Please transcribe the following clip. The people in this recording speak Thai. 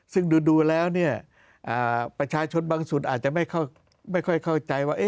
ซึ่งดูแล้วเนี่ยประชาชนบางส่วนอาจจะไม่ค่อยเข้าใจว่า